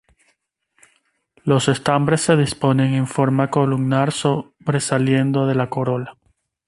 Los estambres se disponen en forma columnar sobresaliendo de la corola.